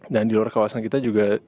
dan di luar kawasan kita juga